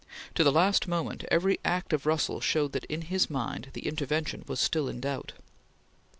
To the last moment every act of Russell showed that, in his mind, the intervention was still in doubt.